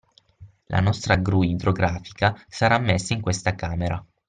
La nostra gru idrografica sarà messa in questa camera